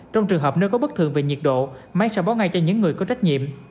trong trường hợp nếu có bất thường về nhiệt độ máy sẽ báo ngay cho những người có trách nhiệm